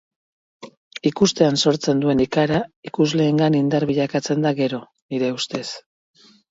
Ikustean sortzen duen ikara ikusleengan indar bilakatzen da gero, nire ustez.